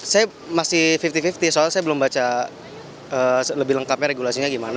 saya masih lima puluh lima puluh soal saya belum baca lebih lengkapnya regulasinya gimana